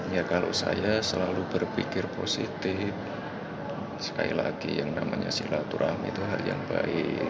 ya kalau saya selalu berpikir positif sekali lagi yang namanya silaturahmi itu hal yang baik